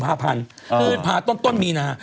คือพาต้นมีนะฮะ